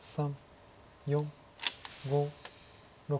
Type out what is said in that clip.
４５６。